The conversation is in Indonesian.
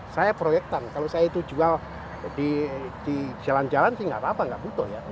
saya proyektan kalau saya itu jual di jalan jalan sih nggak apa apa nggak butuh ya